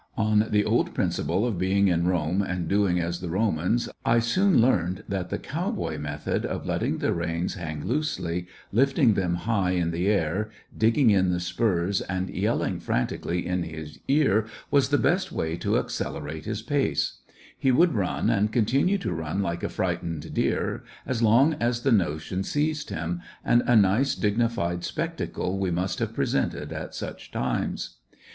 On the old principle of being in Kome and doing as the EonianSj I soon learned that the cow boy method of letting the reins hang loosely, lift ing them high In the air^ digging in the spurs, and yelling frantically in his ear was the best way to accelerate his pace* He wonld run and continiie to run like a frightened deer as long as the notion seized him, and a nice, dig nified spectacle we must have presented at such times.